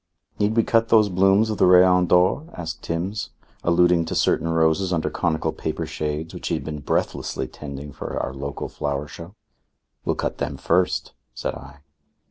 "Need we cut those blooms of the Rayon d'Or?" asked Timbs, alluding to certain roses under conical paper shades which he had been breathlessly tending for our local flower show. "We'll cut them first," said I.